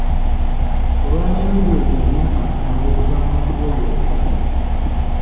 Olwaleero giweze emyaka musanvu okuva omwami we lwe yafa.